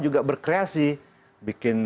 juga berkreasi bikin